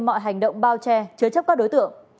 mọi hành động bao che chứa chấp các đối tượng